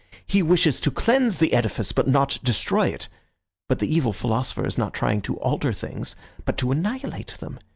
He wishes to cleanse the edifice, but not to destroy it. But the evil philosopher is not trying to alter things, but to annihilate them.